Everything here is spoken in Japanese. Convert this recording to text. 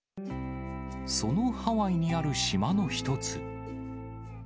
そのハワイにある島の１つ。